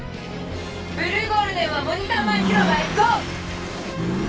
ブルーゴールデンはモニター前広場へＧＯ！」